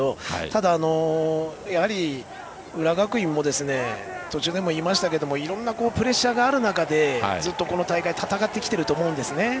ただ、浦和学院も途中でも言いましたけどいろんなプレッシャーがある中でずっとこの大会戦ってきていると思うんですね。